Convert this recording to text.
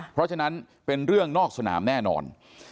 เพราะฉะนั้นเป็นเรื่องนอกสนามแน่นอน